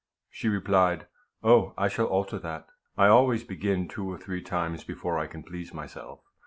She re plied, " Oh ! I shall alter that. I always begin two or three times before I can please myself."